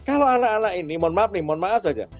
kalau anak anak ini mohon maaf nih mohon maaf saja